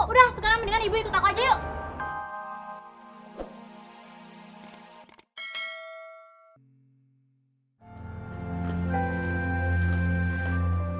udah sekarang mendingan ibu ikut aja yuk